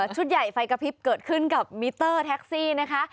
ชุดใหญ่ไฟกระพริบเกิดขึ้นกับมิเตอร์แท็กซี่นะคะ